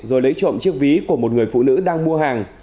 rồi lấy trộm chiếc ví của một người phụ nữ đang mua hàng